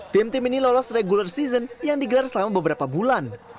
tim tim ini lolos regular season yang digelar selama beberapa bulan